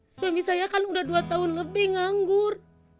suami saya kan udah dua tahun lebih nganggur